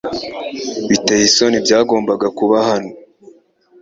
Biteye isoni byagombaga kuba hano .